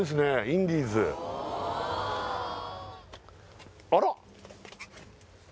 インディーズあら？